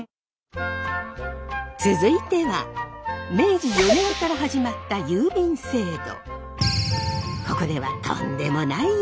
続いては明治４年から始まった郵便制度。